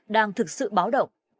đang thực sự báo động